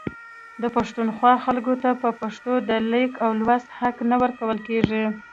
د پښتونخوا خلکو ته په پښتو د لیک او لوست حق نه ورکول کیږي